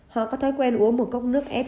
họ có thói quen uống một cốc nước ép